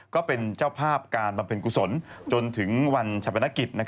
ก็เป็นเจ้าภาพการบำเพ็ญกุศลจนถึงวันชะปนกิจ